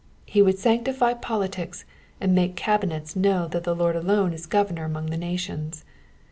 He would sanctify politics, and make cabinets know that the Lord alone is governor among the nations.